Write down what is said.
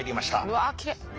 うわきれい。